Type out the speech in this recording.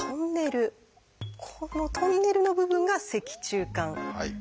このトンネルの部分が「脊柱管」です。